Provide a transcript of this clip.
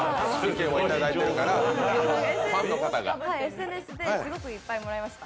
ＳＮＳですごくいっぱいもらいました。